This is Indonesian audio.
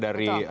dari kubu lawan